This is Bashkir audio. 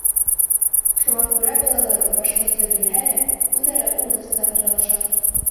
Шуға күрә балаларым, башҡортса белһә лә, үҙ-ара урыҫса аралаша.